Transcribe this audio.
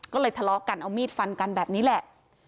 ก็เลยทะเลาะกันเอามีดฟันกันแบบนี้แหละ